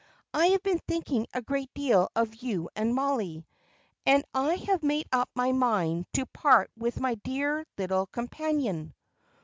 "I have been thinking a great deal of you and Mollie, and I have made up my mind to part with my dear little companion."